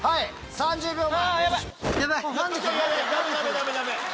３０秒前。